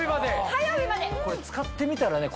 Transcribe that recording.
これ使ってみたらね